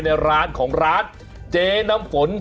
ในร้านของร้านเจ๊น้ำฝน